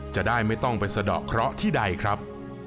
จะได้ไม่ต้องไปสะดอกเคราะห์ที่ใดครับ